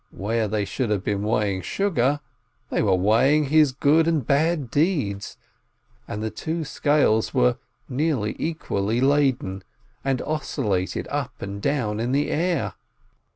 Where they should have been weighing sugar, they were weigh ing his good and bad deeds. And the two scales were nearly equally laden, and oscillated up and down in the air .